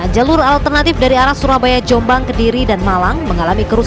jalur alternatif jombang